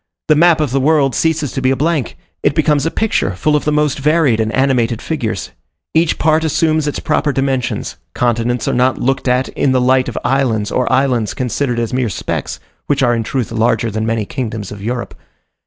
The map of the world ceases to be a blank; it becomes a picture full of the most varied and animated figures. Each part assumes its proper dimensions: continents are not looked at in the light of islands, or islands considered as mere specks, which are, in truth, larger than many kingdoms of Europe.